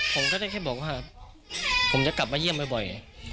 ผมก็ได้แค่บอกว่าผมจะกลับมาเยี่ยมบ่อย